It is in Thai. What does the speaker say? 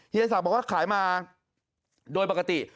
ศักดิ์บอกว่าขายมาโดยปกติ